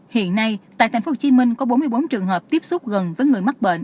hiện nay tại tp hcm có bốn mươi bốn trường hợp tiếp xúc gần với người mắc bệnh